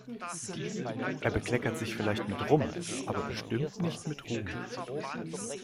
Er bekleckert sich vielleicht mit Rum, aber bestimmt nicht mit Ruhm.